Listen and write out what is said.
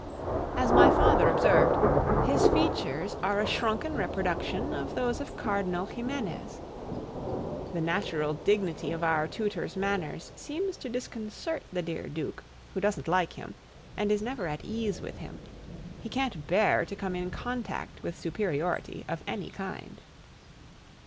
As my father observed, his features are a shrunken reproduction of those of Cardinal Ximenes. The natural dignity of our tutor's manners seems to disconcert the dear Duke, who doesn't like him, and is never at ease with him; he can't bear to come in contact with superiority of any kind.